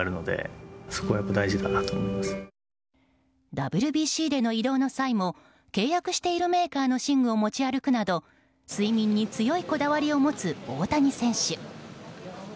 ＷＢＣでの移動の際も契約しているメーカーの寝具を持ち歩くなど睡眠に強いこだわりを持つ大谷選手。